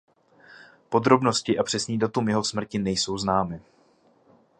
Podrobnosti a přesný datum jeho smrti nejsou známy.